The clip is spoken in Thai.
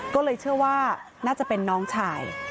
ก็เลยเชื่อว่าน่าจะเป็นน้องชาย